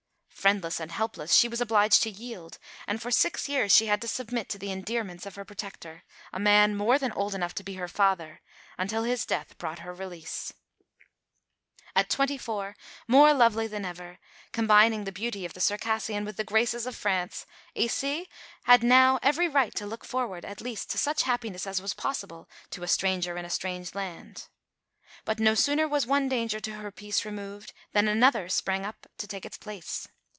Friendless and helpless, she was obliged to yield; and for six years she had to submit to the endearments of her protector, a man more than old enough to be her father, until his death brought her release. At twenty four, more lovely than ever, combining the beauty of the Circassian with the graces of France, Aissé had now every right to look forward at least to such happiness as was possible to a stranger in a strange land. But no sooner was one danger to her peace removed than another sprang up to take its place.